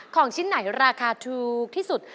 ของชิ้นไหนราคาถูกที่สุด